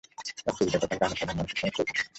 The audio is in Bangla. তার কবিতা তথা গানে সাধারণ মানুষের সমস্যা উঠে এসেছে।